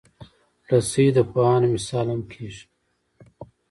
رسۍ د پوهانو مثال هم کېږي.